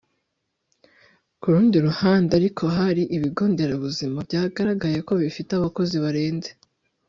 ku rundi ruhande ariko hari ibigo nderabuzima byagaragaye ko bifite abakozi barenze